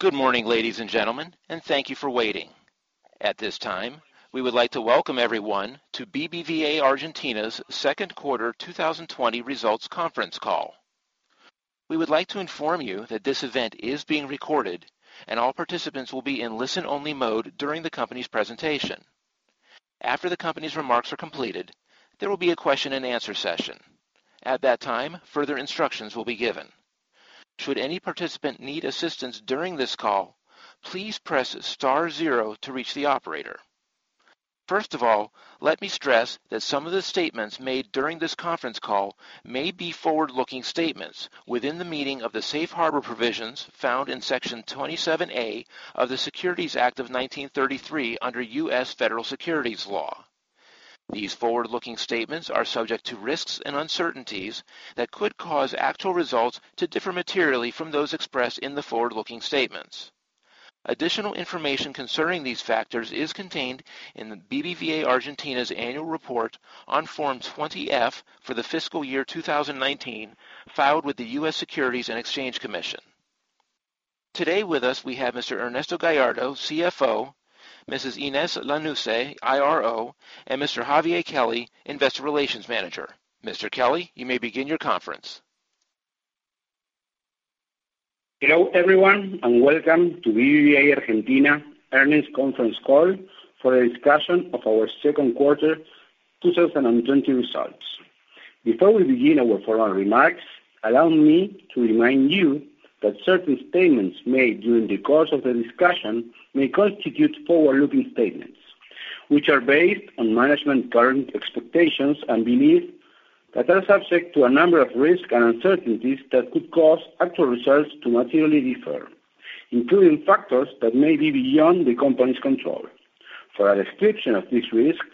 Good morning, ladies and gentlemen, and thank you for waiting. At this time, we would like to welcome everyone to BBVA Argentina's Second Quarter 2020 Results Conference Call. We would like to inform you that this event is being recorded, and all participants will be in listen-only mode during the company's presentation. After the company's remarks are completed, there will be a question and answer session. At that time, further instructions will be given. Should any participant need assistance during this call, please press star zero to reach the operator. First of all, let me stress that some of the statements made during this conference call may be forward-looking statements within the meaning of the safe harbor provisions found in Section 27A of the Securities Act of 1933 under U.S. Federal Securities law. These forward-looking statements are subject to risks and uncertainties that could cause actual results to differ materially from those expressed in the forward-looking statements. Additional information concerning these factors is contained in the BBVA Argentina's annual report on Form 20-F for the fiscal year 2019, filed with the U.S. Securities and Exchange Commission. Today with us, we have Mr. Ernesto Gallardo, CFO, Mrs. Inés Lanusse, IRO, and Mr. Javier Kelly, Investor Relations Manager. Mr. Kelly, you may begin your conference. Hello, everyone, and welcome to BBVA Argentina earnings conference call for a discussion of our second quarter 2020 results. Before we begin our formal remarks, allow me to remind you that certain statements made during the course of the discussion may constitute forward-looking statements, which are based on management current expectations and belief that are subject to a number of risks and uncertainties that could cause actual results to materially differ, including factors that may be beyond the company's control. For a description of this risk,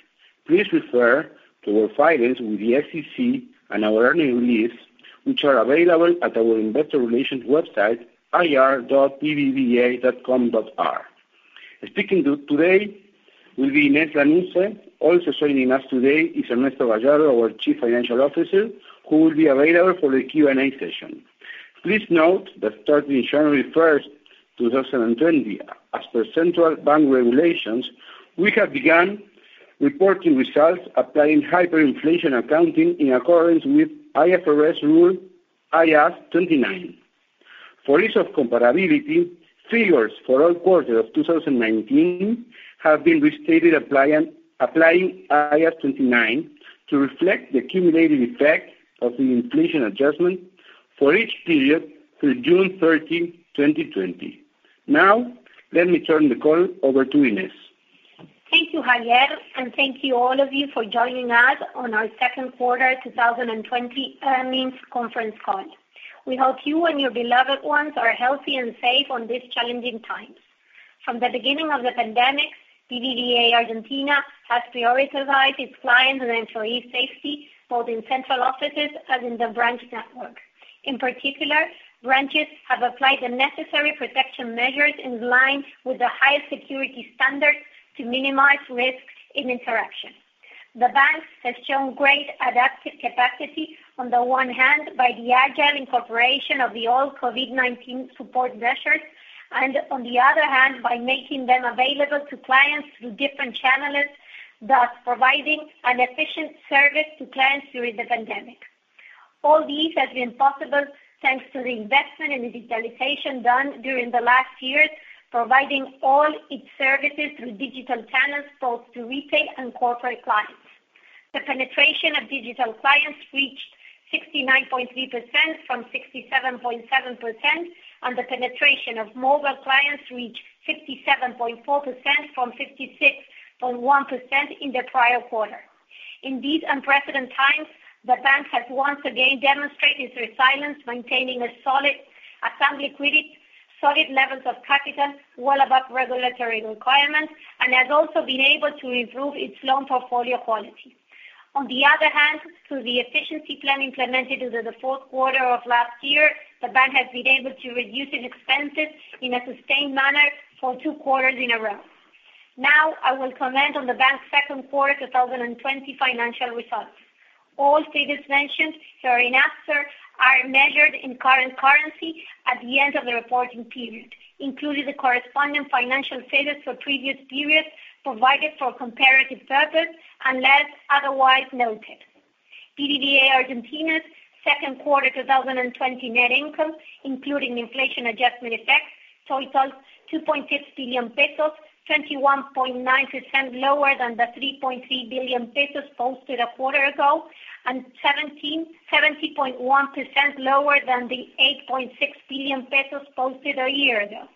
please refer to our filings with the SEC and our earnings release, which are available at our investor relations website, ir.bbva.com.ar. Speaking today will be Inés Lanusse. Also joining us today is Ernesto Gallardo, our Chief Financial Officer, who will be available for the Q&A session. Please note that starting January 1st, 2020, as per central bank regulations, we have begun reporting results applying hyperinflation accounting in accordance with IFRS rule IAS 29. For ease of comparability, figures for all quarters of 2019 have been restated applying IAS 29 to reflect the accumulated effect of the inflation adjustment for each period through June 30, 2020. Let me turn the call over to Ines. Thank you, Javier, and thank you all of you for joining us on our second quarter 2020 earnings conference call. We hope you and your beloved ones are healthy and safe on these challenging times. From the beginning of the pandemic, BBVA Argentina has prioritized its client and employee safety, both in central offices and in the branch network. In particular, branches have applied the necessary protection measures in line with the highest security standards to minimize risks in interaction. The bank has shown great adaptive capacity, on the one hand, by the agile incorporation of the all COVID-19 support measures, and on the other hand, by making them available to clients through different channels, thus providing an efficient service to clients during the pandemic. All these have been possible, thanks to the investment in digitalization done during the last years, providing all its services through digital channels, both to retail and corporate clients. The penetration of digital clients reached 69.3% from 67.7%, and the penetration of mobile clients reached 57.4% from 56.1% in the prior quarter. In these unprecedented times, the bank has once again demonstrated its resilience, maintaining a solid asset quality, solid levels of capital well above regulatory requirements, and has also been able to improve its loan portfolio quality. On the other hand, through the efficiency plan implemented under the fourth quarter of last year, the bank has been able to reduce its expenses in a sustained manner for two quarters in a row. Now, I will comment on the bank's second quarter 2020 financial results. All figures mentioned hereinafter are measured in current currency at the end of the reporting period, including the corresponding financial status for previous periods provided for comparative purposes, unless otherwise noted. BBVA Argentina's second quarter 2020 net income, including inflation adjustment effects, totals 2.6 billion pesos, 21.9% lower than the 3.3 billion pesos posted a quarter ago, and 70.1% lower than the 8.6 billion pesos posted a year ago.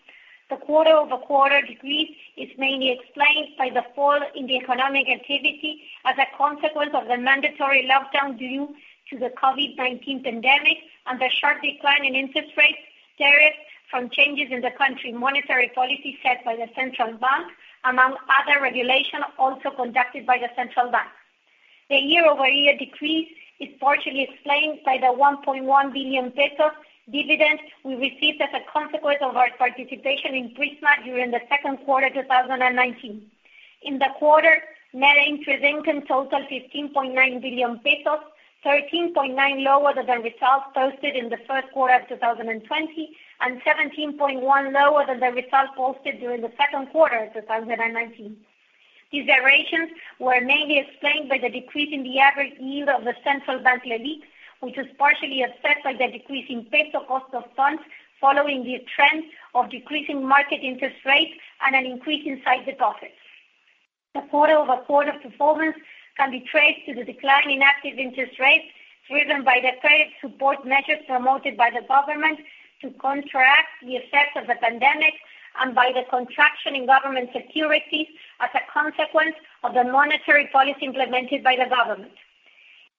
The quarter-over-quarter decrease is mainly explained by the fall in the economic activity as a consequence of the mandatory lockdown due to the COVID-19 pandemic and the sharp decline in interest rates, tariffs from changes in the country monetary policy set by the central bank, among other regulations also conducted by the central bank. The year-over-year decrease is partially explained by the 1.1 billion pesos dividend we received as a consequence of our participation in Prisma during the second quarter 2019. In the quarter, net interest income totaled 15.9 billion pesos, 13.9% lower than the results posted in the first quarter of 2020 and 17.1% lower than the results posted during the second quarter of 2019. These variations were mainly explained by the decrease in the average yield of the Central Bank Leliq, which was partially offset by the decrease in peso cost of funds, following the trend of decreasing market interest rates and an increase in cited profits. The quarter-over-quarter performance can be traced to the decline in active interest rates, driven by the credit support measures promoted by the government to contract the effects of the pandemic and by the contraction in government securities as a consequence of the monetary policy implemented by the government.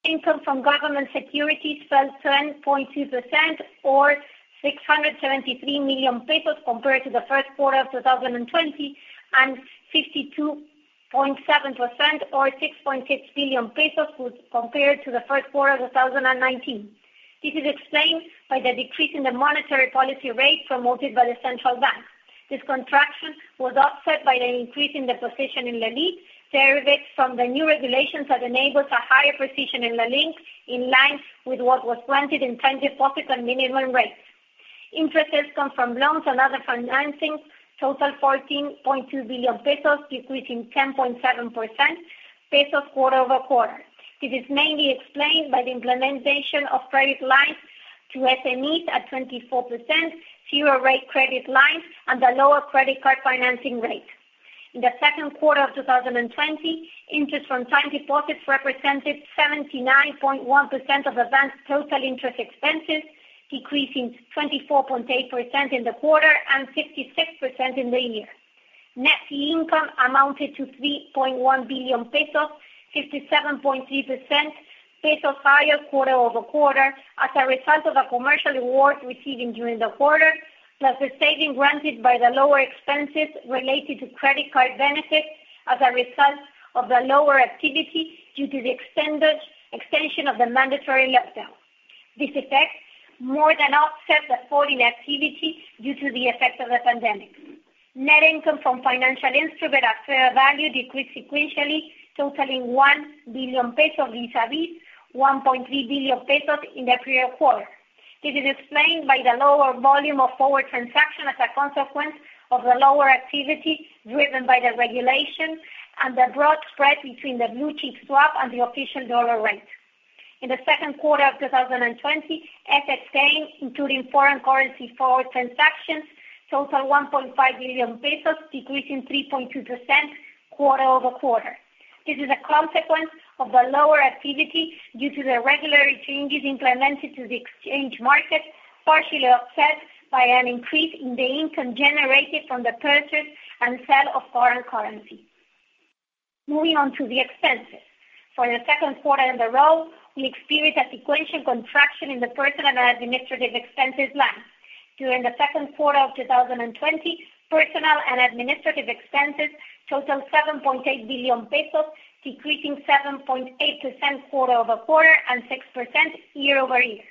Income from government securities fell 10.2%, or 673 million pesos compared to the first quarter of 2020, and 52.7%, or 6.6 billion pesos, compared to the first quarter of 2019. This is explained by the decrease in the monetary policy rate promoted by the central bank. This contraction was offset by an increase in the position in Leliq, derived from the new regulations that enabled a higher position in Leliq in line with what was granted in time deposit and minimum rates. Interest income from loans and other financing totaled 14.2 billion pesos, decreasing 10.7% quarter-over-quarter. It is mainly explained by the implementation of credit lines to SMEs at 24%, zero-rate credit lines, and the lower credit card financing rate. In the second quarter of 2020, interest from time deposits represented 79.1% of the bank's total interest expenses, decreasing 24.8% in the quarter and 56% in the year. Net fee income amounted to 3.1 billion pesos, 57.3% pesos higher quarter-over-quarter as a result of a commercial reward received during the quarter, plus the saving granted by the lower expenses related to credit card benefits as a result of the lower activity due to the extension of the mandatory lockdown. This effect more than offset the fall in activity due to the effects of the pandemic. Net income from financial instruments at fair value decreased sequentially, totaling 1 billion pesos vis-à-vis 1.3 billion pesos in the previous quarter. It is explained by the lower volume of forward transactions as a consequence of the lower activity driven by the regulation and the broad spread between the blue chip swap and the official dollar rate. In the second quarter of 2020, FX gains, including foreign currency forward transactions, total ARS 1.5 billion, decreasing 3.2% quarter-over-quarter. This is a consequence of the lower activity due to the regulatory changes implemented to the exchange market, partially offset by an increase in the income generated from the purchase and sale of foreign currency. Moving on to the expenses. For the second quarter in a row, we experienced a sequential contraction in the personnel and administrative expenses line. During the second quarter of 2020, personnel and administrative expenses totaled 7.8 billion pesos, decreasing 7.8% quarter-over-quarter and 6% year-over-year.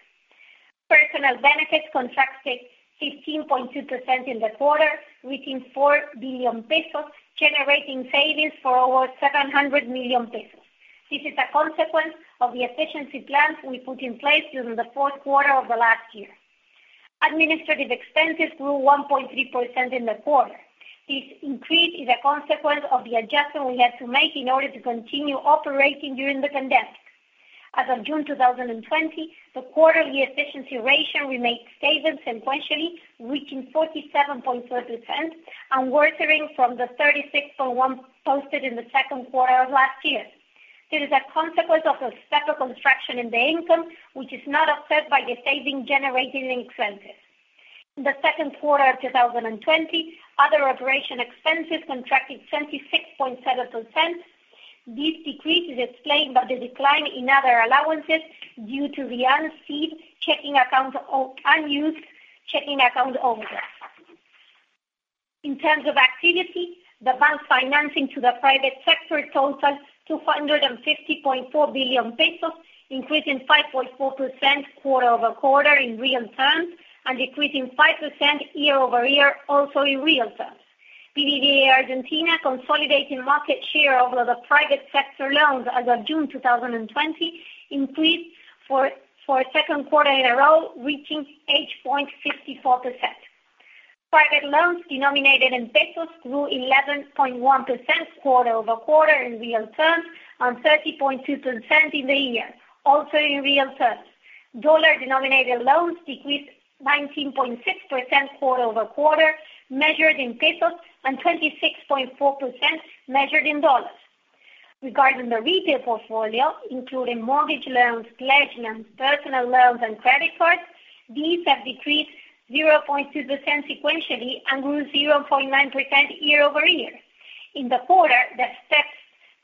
Personnel benefits contracted 15.2% in the quarter, reaching 4 billion pesos, generating savings for over 700 million pesos. This is a consequence of the efficiency plans we put in place during the fourth quarter of last year. Administrative expenses grew 1.3% in the quarter. This increase is a consequence of the adjustment we had to make in order to continue operating during the pandemic. As of June 2020, the quarterly efficiency ratio remained stable sequentially, reaching 47.4%, and worsening from the 36.1% posted in the second quarter of last year. This is a consequence of the steeper contraction in the income, which is not offset by the saving generated in expenses. In the second quarter of 2020, other operation expenses contracted 26.7%. This decrease is explained by the decline in other allowances due to the unused checking account overdraft. In terms of activity, the bank financing to the private sector totaled 250.4 billion pesos, increasing 5.4% quarter-over-quarter in real terms and decreasing 5% year-over-year, also in real terms. BBVA Argentina consolidating market share over the private sector loans as of June 2020 increased for a second quarter in a row, reaching 8.54%. Private loans denominated in pesos grew 11.1% quarter-over-quarter in real terms and 30.2% in the year, also in real terms. Dollar-denominated loans decreased 19.6% quarter-over-quarter, measured in pesos, and 26.4%, measured in dollars. Regarding the retail portfolio, including mortgage loans, pledge loans, personal loans, and credit cards, these have decreased 0.2% sequentially and grew 0.9% year-over-year. In the quarter, the stepped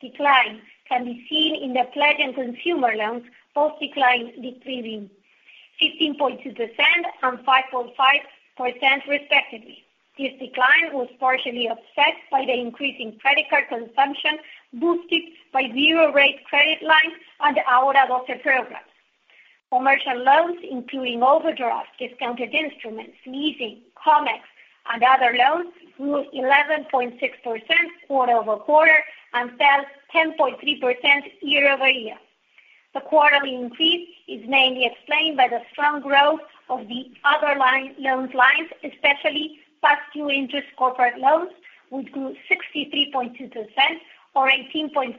decline can be seen in the pledge and consumer loans, both declines decreasing 15.2% and 5.5%, respectively. This decline was partially offset by the increase in credit card consumption, boosted by zero-rate credit lines and the Ahora 12 program. For merchant loans, including overdrafts, discounted instruments, leasing, COMEX, and other loans, grew 11.6% quarter-over-quarter and fell 10.3% year-over-year. The quarterly increase is mainly explained by the strong growth of the other loans lines, especially past-due interest corporate loans, which grew 63.2%, or 18.5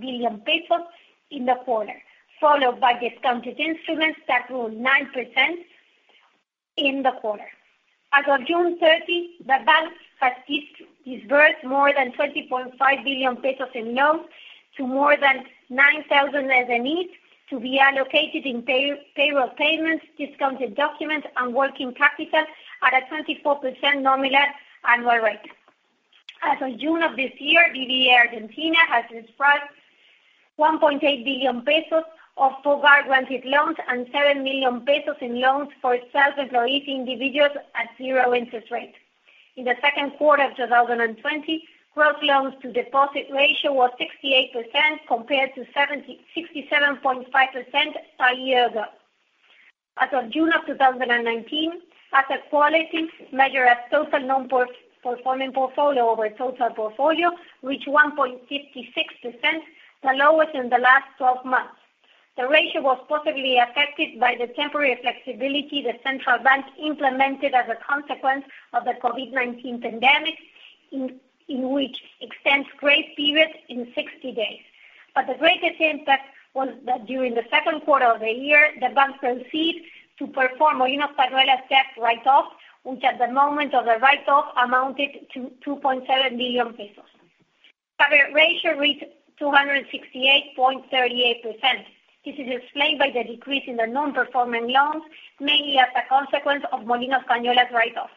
billion pesos in the quarter, followed by discounted instruments that grew 9% in the quarter. As of June 30, the bank has disbursed more than 20.5 billion pesos in loans to more than 9,000 SMEs, to be allocated in payroll payments, discounted documents, and working capital at a 24% nominal annual rate. As of June of this year, BBVA Argentina has dispersed 1.8 billion pesos of FOGAR-guaranteed loans and 7 million pesos in loans for self-employed individuals at zero interest rate. In the second quarter of 2020, gross loans to deposit ratio was 68%, compared to 67.5% a year ago. As of June of 2019, asset quality measured as total non-performing portfolio over total portfolio, reached 1.56%, the lowest in the last 12 months. The ratio was positively affected by the temporary flexibility the central bank implemented as a consequence of the COVID-19 pandemic, in which extends grace periods in 60 days. The greatest impact was that during the second quarter of the year, the bank proceed to perform Molinos Cañuelas debt write-off, which at the moment of the write-off amounted to 2.7 billion pesos. Cover ratio reached 268.38%. This is explained by the decrease in the non-performing loans, mainly as a consequence of Molinos Cañuelas write-off.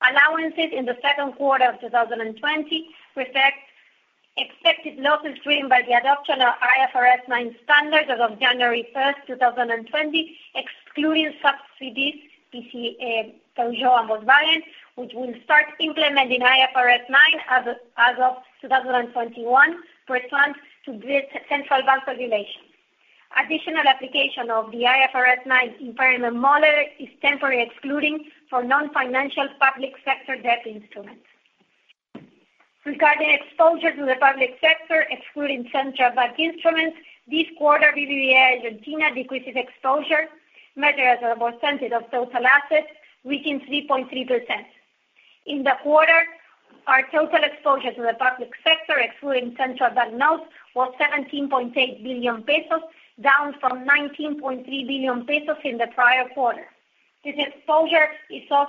Allowances in the second quarter of 2020 reflect expected losses driven by the adoption of IFRS 9 standards as of January 1st, 2020, excluding subsidiaries, which will start implementing IFRS 9 as of 2021, pursuant to the central bank regulations. Additional application of the IFRS 9 impairment model is temporary excluding for non-financial public sector debt instruments. Regarding exposure to the public sector, excluding central bank instruments, this quarter, BBVA Argentina decreased its exposure, measured as a percentage of total assets, reaching 3.3%. In the quarter, our total exposure to the public sector, excluding central bank loans, was 17.8 billion pesos, down from 19.3 billion pesos in the prior quarter. This exposure is all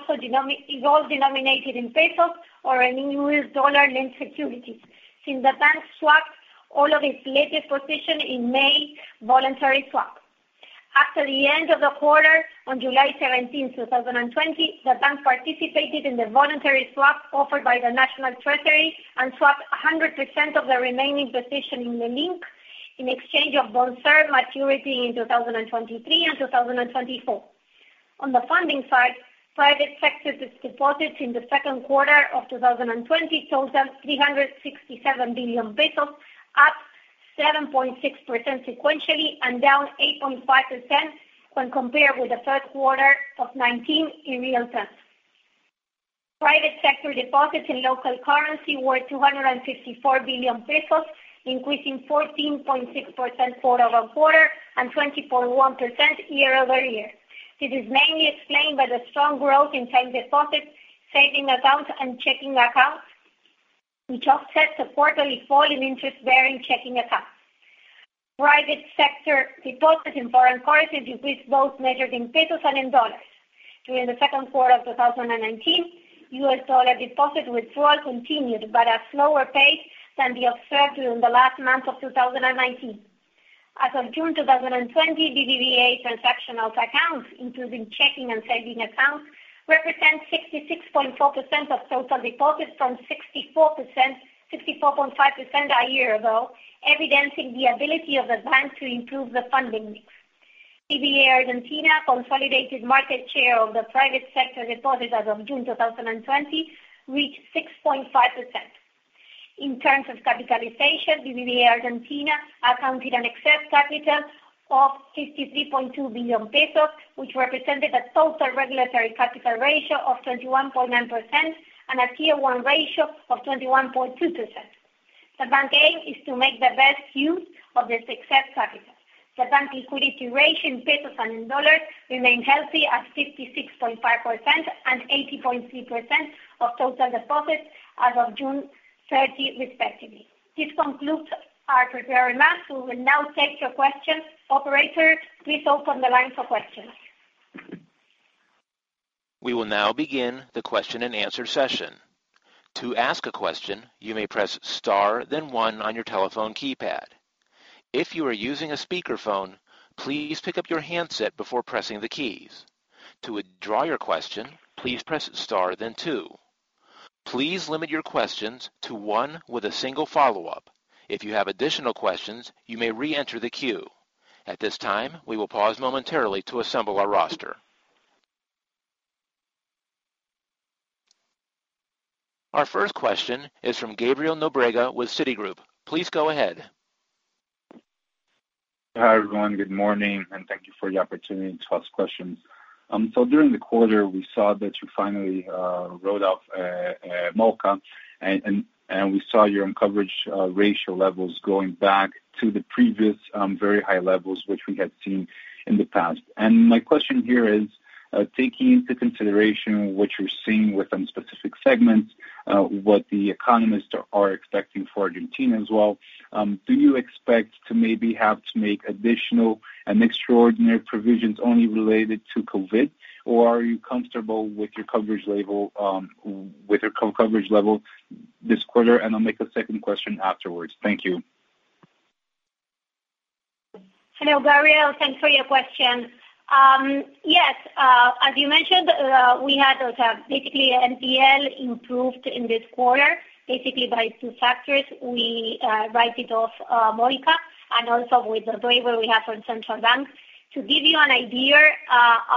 denominated in ARS or in U.S. dollar-linked securities, since the bank swapped all of its latest position in May voluntary swap. After the end of the quarter, on July 17, 2020, the bank participated in the voluntary swap offered by the National Treasury and swapped 100% of the remaining position in Leliq in exchange of bonds maturity in 2023 and 2024. On the funding side, private sector deposits in the second quarter of 2020 totaled 367 billion pesos, up 7.6% sequentially and down 8.5% when compared with the third quarter of 2019 in real terms. Private sector deposits in local currency were 254 billion pesos, increasing 14.6% quarter-over-quarter and 20.1% year-over-year. This is mainly explained by the strong growth in time deposits, saving accounts, and checking accounts, which offset the quarterly fall in interest-bearing checking accounts. Private sector deposits in foreign currencies decreased, both measured in ARS and in dollars. During the second quarter of 2019, U.S. dollar deposit withdrawal continued, but at a slower pace than the observed during the last month of 2019. As of June 2020, BBVA transactional accounts, including checking and savings accounts, represent 66.4% of total deposits from 64.5% a year ago, evidencing the ability of the bank to improve the funding mix. BBVA Argentina consolidated market share of the private sector deposits as of June 2020 reached 6.5%. In terms of capitalization, BBVA Argentina accounted an excess capital of 53.2 billion pesos, which represented a total regulatory capital ratio of 31.9% and a Tier 1 ratio of 21.2%. The bank aim is to make the best use of this excess capital. The bank liquidity ratio in pesos and in dollars remains healthy at 56.5% and 80.3% of total deposits as of June 30, respectively. This concludes our prepared remarks. We will now take your questions. Operator, please open the line for questions. We will now begin the question and answer session. To ask a question, you may press star then one on your telephone keypad. If you are using a speakerphone, please pick up your handset before pressing the keys. To withdraw your question, please press star then two. Please limit your questions to one with a single follow-up. If you have additional questions, you may reenter the queue. At this time, we will pause momentarily to assemble our roster. Our first question is from Gabriel Nóbrega with Citigroup. Please go ahead. Hi, everyone. Good morning. Thank you for the opportunity to ask questions. During the quarter, we saw that you finally wrote off Molinos Cañuelas. We saw your coverage ratio levels going back to the previous very high levels, which we had seen in the past. My question here is, taking into consideration what you're seeing within specific segments, what the economists are expecting for Argentina as well, do you expect to maybe have to make additional and extraordinary provisions only related to COVID? Are you comfortable with your coverage level this quarter? I'll make a second question afterwards. Thank you. Hello, Gabriel. Thanks for your question. Yes, as you mentioned, we had those NPL improved in this quarter, basically by two factors. We write it off Mol Ca, and also with the waiver we have from central bank. To give you an idea,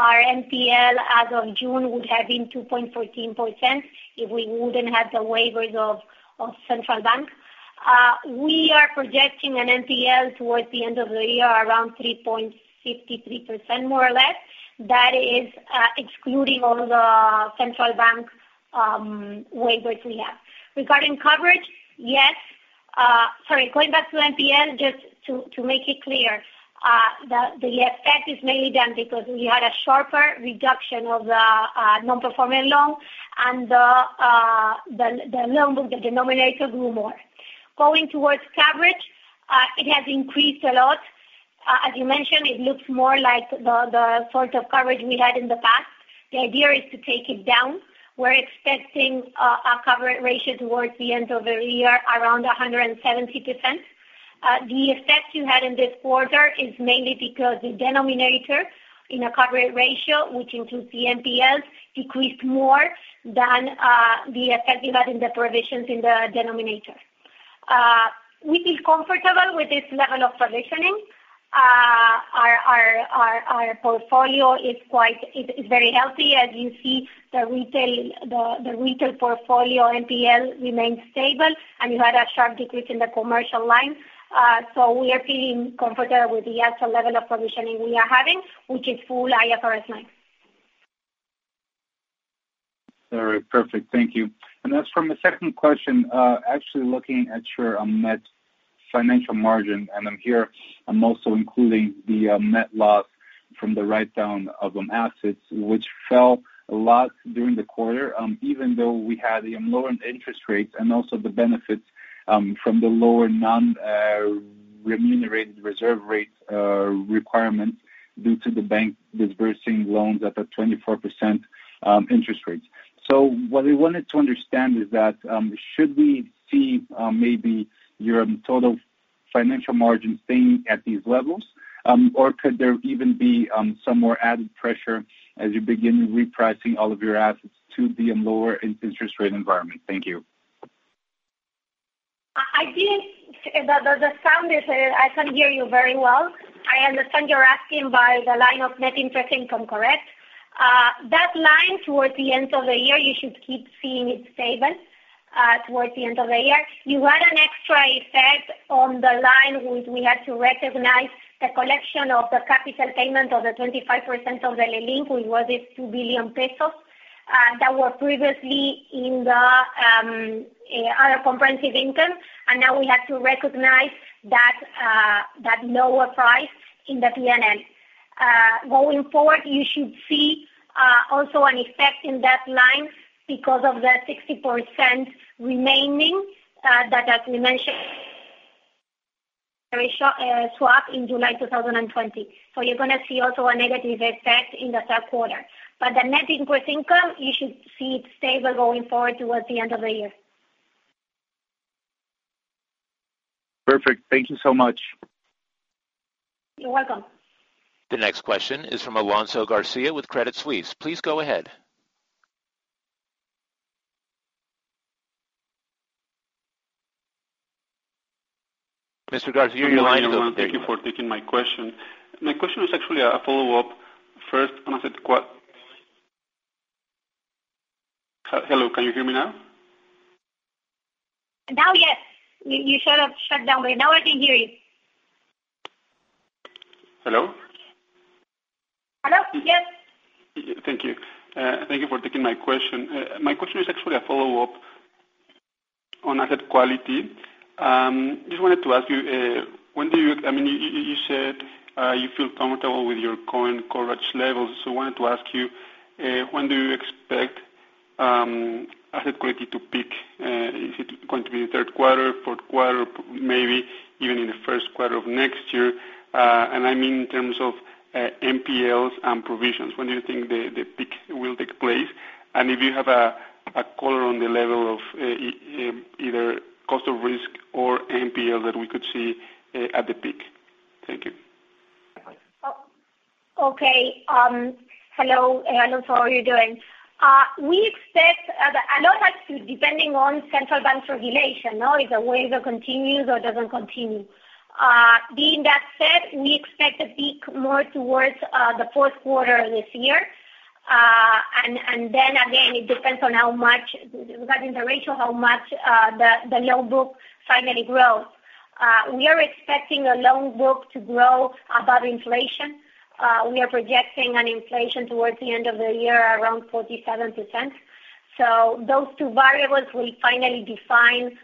our NPL as of June would have been 2.14% if we wouldn't have the waivers of central bank. We are projecting an NPL towards the end of the year around 3.53%, more or less. That is excluding all the central bank waivers we have. Regarding coverage. Sorry, going back to NPL, just to make it clear, the effect is mainly done because we had a sharper reduction of the non-performing loan and the denominator grew more. Going towards coverage, it has increased a lot. As you mentioned, it looks more like the sort of coverage we had in the past. The idea is to take it down. We're expecting a coverage ratio towards the end of the year, around 170%. The effect you had in this quarter is mainly because the denominator in a coverage ratio, which includes the NPLs, decreased more than the effect we had in the provisions in the denominator. We are feeling comfortable with this level of provisioning. Our portfolio is very healthy. As you see, the retail portfolio NPL remains stable, and you had a sharp decrease in the commercial line. We are feeling comfortable with the actual level of provisioning we are having, which is full IFRS 9. Very perfect. Thank you. As for my second question, actually looking at your net financial margin, and I'm here, I'm also including the net loss from the write-down of assets, which fell a lot during the quarter, even though we had lower interest rates and also the benefits from the lower non-remunerated reserve rates requirements due to the bank disbursing loans at the 24% interest rates. What we wanted to understand is that, should we see maybe your total financial margin staying at these levels? Or could there even be some more added pressure as you begin repricing all of your assets to the lower interest rate environment? Thank you. I can't hear you very well. I understand you're asking by the line of net interest income, correct? That line towards the end of the year, you should keep seeing it stable towards the end of the year. You had an extra effect on the line, which we had to recognize the collection of the capital payment of the 25% of the Leliq, which was at ARS 2 billion, that were previously in the other comprehensive income. Now we have to recognize that lower price in the P&L. Going forward, you should see also an effect in that line because of the 60% remaining, that as we mentioned, swap in July 2020. You're going to see also a negative effect in the third quarter. The net interest income, you should see it stable going forward towards the end of the year. Perfect. Thank you so much. You're welcome. The next question is from Alonso Garcia with Credit Suisse. Please go ahead. Mr. Garcia, your line is open. Thank you for taking my question. My question was actually a follow-up. Hello? Can you hear me now? Now, yes. You sort of shut down. Now I can hear you. Hello? Hello. Yes. Thank you. Thank you for taking my question. My question is actually a follow-up on asset quality. Just wanted to ask you said you feel comfortable with your current coverage levels. I wanted to ask you, when do you expect asset quality to peak? Is it going to be the third quarter, fourth quarter, maybe even in the first quarter of next year? I mean in terms of NPLs and provisions. When do you think the peak will take place? If you have a color on the level of either cost of risk or NPL that we could see at the peak. Thank you. Okay. Hello, Alonso, how are you doing? A lot has to do, depending on central bank regulation. If the waiver continues or doesn't continue. Being that said, we expect a peak more towards the fourth quarter of this year. Then again, it depends on how much, regarding the ratio, how much the loan book finally grows. We are expecting the loan book to grow above inflation. We are projecting an inflation towards the end of the year around 47%. Those two variables will finally define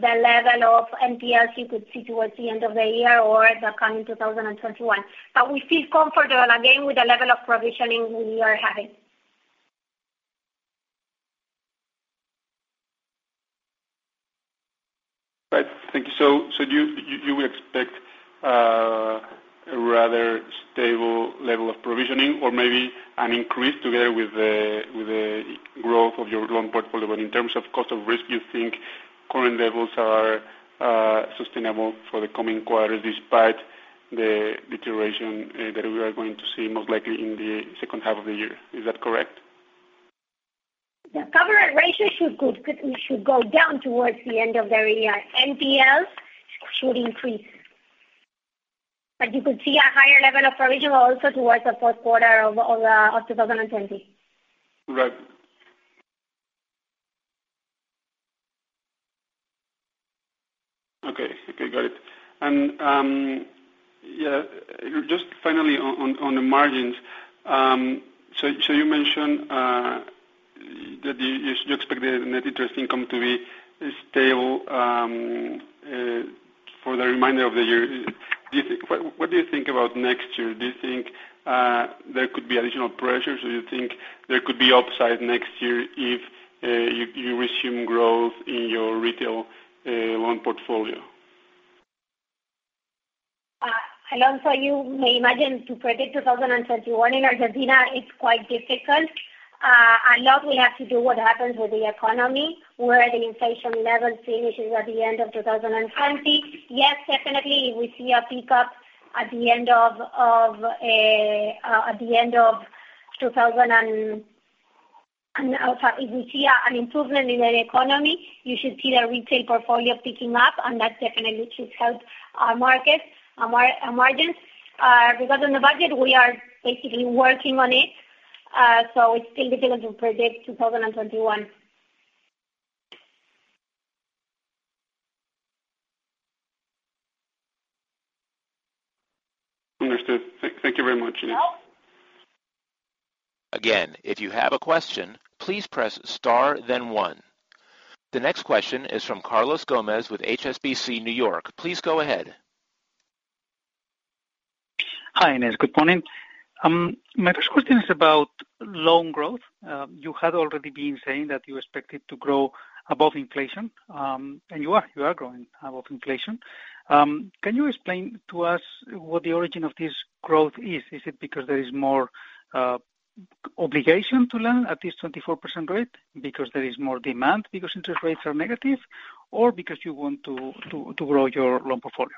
the level of NPLs you could see towards the end of the year or the count in 2021. We feel comfortable, again, with the level of provisioning we are having. Right. Thank you. You expect a rather stable level of provisioning or maybe an increase together with the growth of your loan portfolio. In terms of cost of risk, you think current levels are sustainable for the coming quarters, despite the deterioration that we are going to see most likely in the second half of the year. Is that correct? The cover ratio should go down towards the end of the year. NPLs should increase. You could see a higher level of provision also towards the fourth quarter of 2020. Right. Okay. Got it. Just finally on the margins, you mentioned that you expect the net interest income to be stable for the remainder of the year. What do you think about next year? Do you think there could be additional pressures, or you think there could be upside next year if you resume growth in your retail loan portfolio? Alonso, you may imagine to predict 2021 in Argentina, it's quite difficult. A lot will have to do what happens with the economy, where the inflation level finishes at the end of 2020. Yes, definitely, if we see an improvement in the economy, you should see the retail portfolio picking up, and that definitely should help our margins. Regarding the budget, we are basically working on it, so it's still difficult to predict 2021. Understood. Thank you very much. No. Again, if you have a question, please press star then one. The next question is from Carlos Gomez with HSBC New York. Please go ahead. Hi, Ines. Good morning. My first question is about loan growth. You had already been saying that you expected to grow above inflation, and you are growing above inflation. Can you explain to us what the origin of this growth is? Is it because there is more obligation to lend at this 24% rate? Because there is more demand? Because interest rates are negative? Or because you want to grow your loan portfolio?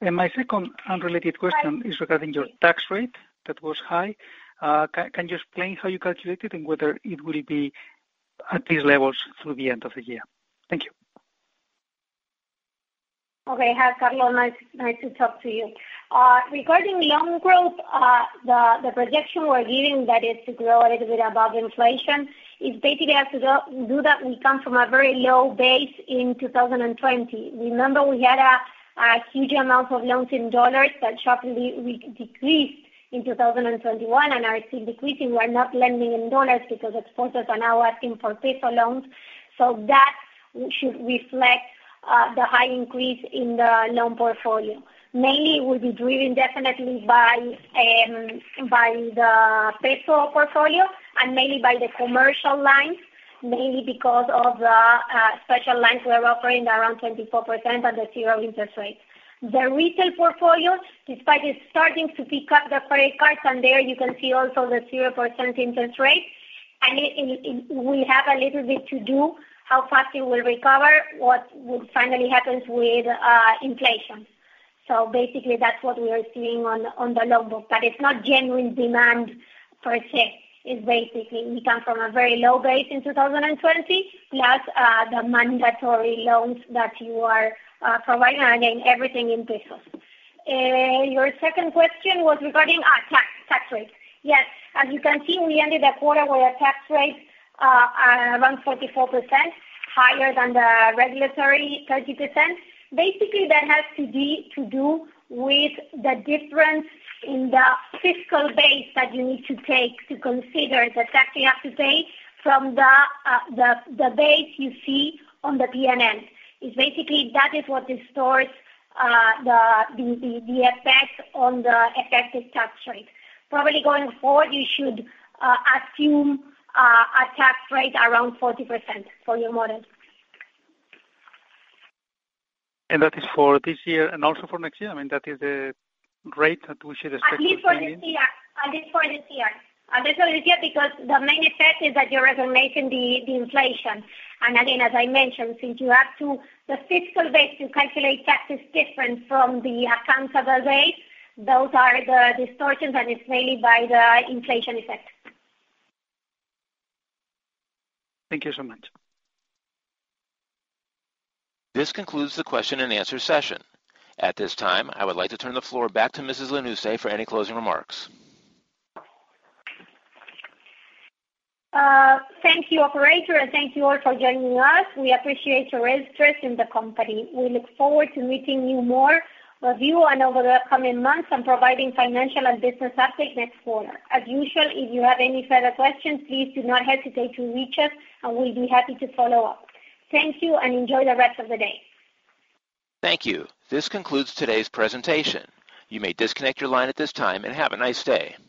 My second unrelated question is regarding your tax rate that was high. Can you explain how you calculate it and whether it will be at these levels through the end of the year? Thank you. Okay. Hi, Carlos. Nice to talk to you. Regarding loan growth, the projection we're giving, that is to grow a little bit above inflation, is basically has to do that we come from a very low base in 2020. Remember, we had a huge amount of loans in USD that sharply decreased in 2021 and are still decreasing. We are not lending in USD because exporters are now asking for peso loans. That should reflect the high increase in the loan portfolio. Mainly, it will be driven definitely by the peso portfolio and mainly by the commercial lines, mainly because of the special lines we are offering around 24% at the zero interest rate. The retail portfolio, despite it starting to pick up the credit cards, and there you can see also the 0% interest rate, and we have a little bit to do how fast it will recover, what would finally happens with inflation. Basically, that's what we are seeing on the loan book. It's not genuine demand per se. It's basically we come from a very low base in 2020, plus the mandatory loans that you are providing, again, everything in pesos. Your second question was regarding tax rate. Yes. As you can see, in the end of the quarter, our tax rate around 44%, higher than the regulatory 30%. Basically, that has to do with the difference in the fiscal base that you need to take to consider the tax you have to pay from the base you see on the P&L. It's basically that is what distorts the effect on the effective tax rate. Probably going forward, you should assume a tax rate around 40% for your model. That is for this year and also for next year? I mean, that is the rate that we should expect? The main effect is that you are recognizing the inflation. Again, as I mentioned, since the fiscal base to calculate tax is different from the accounting base, those are the distortions, and it's mainly by the inflation effect. Thank you so much. This concludes the question and answer session. At this time, I would like to turn the floor back to Mrs. Lanusse for any closing remarks. Thank you, operator, and thank you all for joining us. We appreciate your interest in the company. We look forward to meeting you more with you and over the upcoming months and providing financial and business update next quarter. As usual, if you have any further questions, please do not hesitate to reach us, and we'll be happy to follow up. Thank you, and enjoy the rest of the day. Thank you. This concludes today's presentation. You may disconnect your line at this time, and have a nice day.